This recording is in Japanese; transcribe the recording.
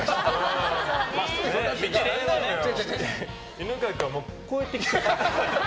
犬飼君は、こうやってキスする。